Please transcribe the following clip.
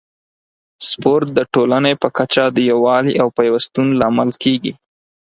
سپورت د ټولنې په کچه د یووالي او پیوستون لامل کیږي.